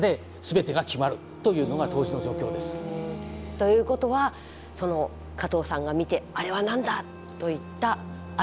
ということはその加藤さんが見て「あれはなんだ！」と言ったある人は。